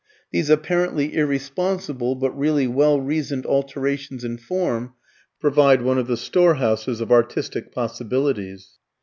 These apparently irresponsible, but really well reasoned alterations in form provide one of the storehouses of artistic possibilities.